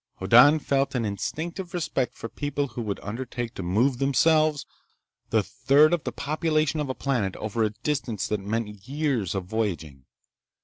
Hoddan felt an instinctive respect for people who would undertake to move themselves, the third of the population of a planet, over a distance that meant years of voyaging.